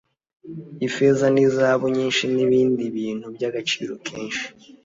ifeza izahabu nyinshi n ibindi bintu by agaciro kenshi